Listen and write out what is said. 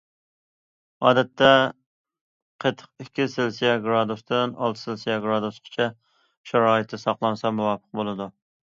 ئادەتتە قېتىق ئىككى سېلسىيە گىرادۇستىن ئالتە سېلسىيە گىرادۇسقىچە شارائىتتا ساقلانسا مۇۋاپىق بولىدۇ.